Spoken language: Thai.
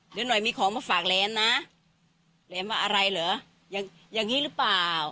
เดี๋ยวหน่อยมีของมาฝากแหลมนะแหลมว่าอะไรเหรออย่างอย่างนี้หรือเปล่า